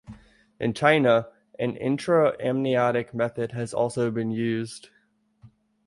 In China, an intra-amniotic method has also been used.